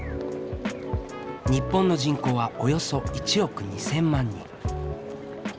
日本の人口はおよそ１億２，０００万人。